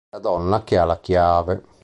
La donna che ha la chiave.